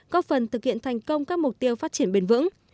góp phần thực hiện thành công các mục tiêu phát triển bền vững